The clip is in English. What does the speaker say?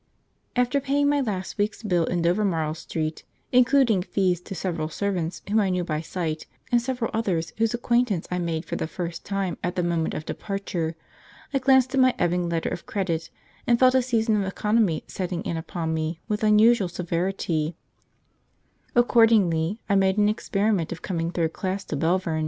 After paying my last week's bill in Dovermarle Street, including fees to several servants whom I knew by sight, and several others whose acquaintance I made for the first time at the moment of departure, I glanced at my ebbing letter of credit and felt a season of economy setting in upon me with unusual severity; accordingly, I made an experiment of coming third class to Belvern.